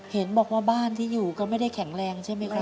เห็นบอกว่าบ้านที่อยู่ก็ไม่ได้แข็งแรงใช่ไหมครับ